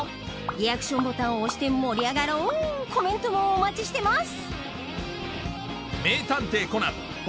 リアクションボタンを押して盛り上がろうコメントもお待ちしてます